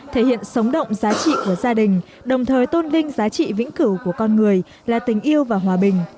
thể hiện sống động giá trị của gia đình đồng thời tôn vinh giá trị vĩnh cửu của con người là tình yêu và hòa bình